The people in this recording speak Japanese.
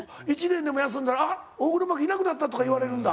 １年でも休んだら大黒摩季いなくなったとか言われるんだ。